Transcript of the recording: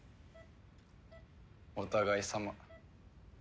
お互いさま。